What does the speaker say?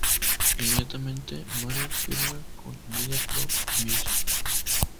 Inmediatamente Marius firma con MediaPro Music.